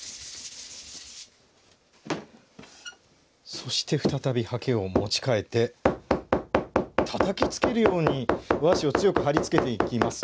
そして再び刷毛を持ち替えてたたきつけるように和紙を強く貼り付けていきます。